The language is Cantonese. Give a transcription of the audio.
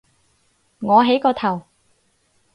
我起個頭